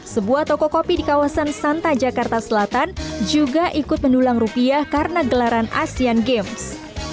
sebuah toko kopi di kawasan santa jakarta selatan juga ikut mendulang rupiah karena gelaran asean games